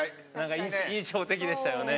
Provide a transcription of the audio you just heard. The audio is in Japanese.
印象的でしたよね。